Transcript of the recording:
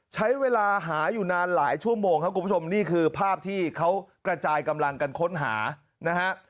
ใช้เวลาหาอยู่นานหลายชั่วโมงครับคุณผู้ชมนี่คือภาพที่เขากระจายกำลังกันค้นหานะฮะ